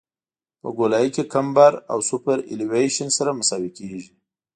په ګولایي کې کمبر او سوپرایلیویشن سره مساوي کیږي